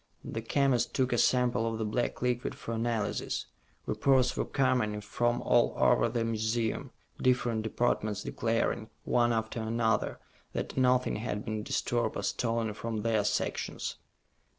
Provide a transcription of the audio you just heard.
The chemist took a sample of the black liquid for analysis. Reports were coming in from all over the museum, different departments declaring, one after another, that nothing had been disturbed or stolen from their sections.